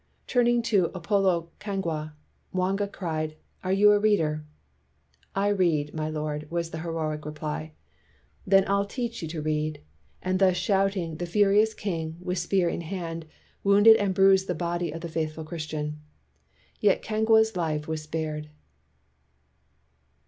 Turning to Apolo Kagwa, Mwanga cried, "Are you a reader?" "I read, my lord," was the heroic reply. "Then I'll teach you to read!" and thus 237 WHITE MAN OF WORK shouting, the furious king, with spear in hand, wounded and bruised the body of the faithful Christian. Yet Kagwa's life was spared.